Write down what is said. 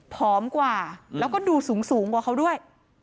ผอมกว่าแล้วก็ดูสูงกว่าเขาด้วย